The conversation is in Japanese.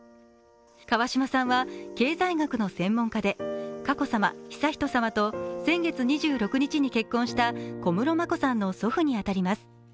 川嶋さんは経済学の専門家で佳子さま、悠仁さまと先月２６日に結婚した小室眞子さんの祖父に当たります。